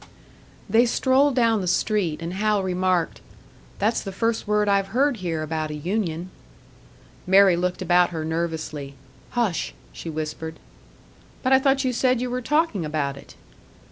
They strolled down the street, and Hal remarked, "That's the first word I've heard here about a union." Mary looked about her nervously. "Hush!" she whispered. "But I thought you said you were talking about it!"